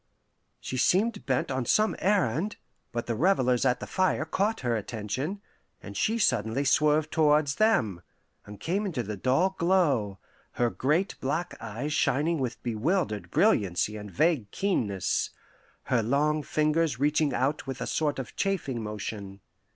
She seemed bent on some errand, but the revellers at the fire caught her attention, and she suddenly swerved towards them, and came into the dull glow, her great black eyes shining with bewildered brilliancy and vague keenness, her long fingers reaching out with a sort of chafing motion.